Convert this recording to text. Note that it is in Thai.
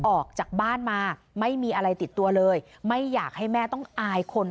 ออกจากบ้านมาไม่มีอะไรติดตัวเลยไม่อยากให้แม่ต้องอายคน